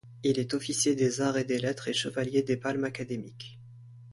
Il est officier des Arts et des Lettres et chevalier des Palmes académiques.